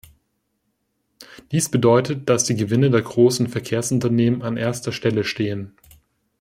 Dies bedeutet, dass die Gewinne der großen Verkehrsunternehmen an erster Stelle stehen.